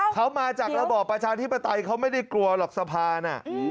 เขามาจากระบอบประชาธิปไตยเขาไม่ได้กลัวหรอกสะพาน